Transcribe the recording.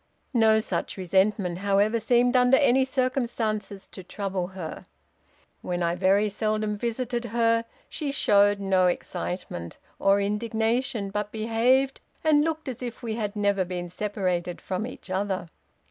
No such resentment, however, seemed under any circumstances to trouble her. When I very seldom visited her, she showed no excitement or indignation, but behaved and looked as if we had never been separated from each other.